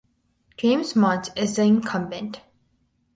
James Monte is the incumbent.